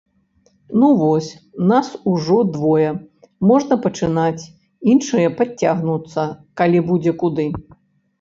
Ну вось, нас ужо двое, можна пачынаць, іншыя падцягнуцца, калі будзе куды.